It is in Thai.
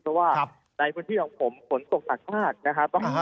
เพราะว่าในพื้นที่ของผมฝนตกสักพลาด